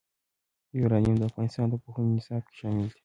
یورانیم د افغانستان د پوهنې نصاب کې شامل دي.